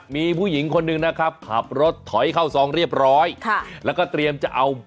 มีผู้หญิงคนหนึ่งนะครับขับรถถอยเข้าซองเรียบร้อยค่ะแล้วก็เตรียมจะเอา